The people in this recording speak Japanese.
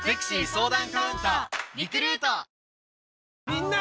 みんな！